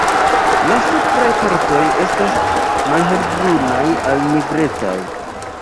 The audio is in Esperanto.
La supraj partoj estas malhelbrunaj al nigrecaj.